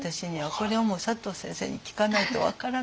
これはもう佐藤先生に聞かないと分からないです。